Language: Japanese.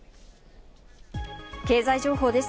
経済情報です。